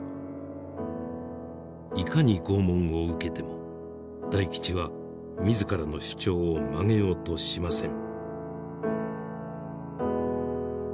いかに拷問を受けても大吉は自らの主張を曲げようとしません。